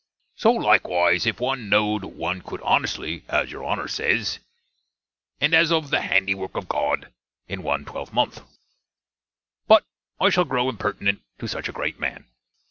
So likewise, if one knoed one could honnestly, as your Honner says, and as of the handy work of God, in one twelvemonth But, I shall grow impertinent to such a grate man.